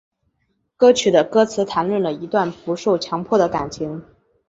歌曲的歌词谈论了一段不受强迫的感情。